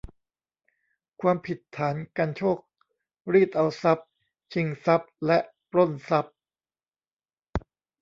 ความผิดฐานกรรโชก รีดเอาทรัพย์ ชิงทรัพย์ และปล้นทรัพย์